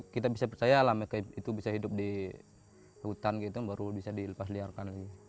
kita bisa percaya lah mereka itu bisa hidup di hutan gitu baru bisa dilepas liarkan